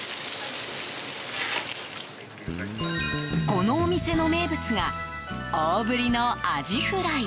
このお店の名物が大ぶりのアジフライ。